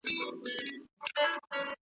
مور دي نه سي پر هغو زمریو بوره .